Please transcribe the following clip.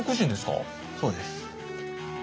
そうです。